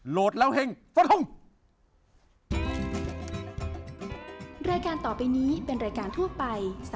โหลดแล้วเฮ่งสวัสดีครับ